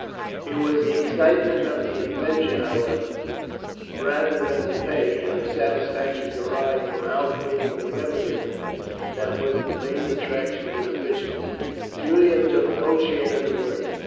It was the excitement of the adventure, however, rather than the pay, and the satisfaction derived from outwitting the revenue men, that was the main attraction to the fishermen. Julian took no share in the work.